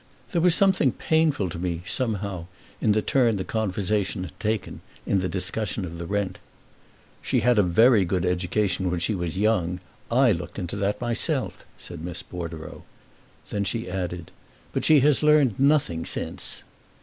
There was something painful to me, somehow, in the turn the conversation had taken, in the discussion of the rent. "She had a very good education when she was young. I looked into that myself," said Miss Bordereau. Then she added, "But she has learned nothing since."